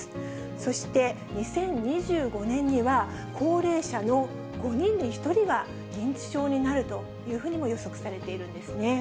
そして、２０２５年には、高齢者の５人に１人が認知症になるというふうにも予測されているんですね。